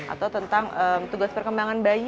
atau tentang tugas perkembangan bayi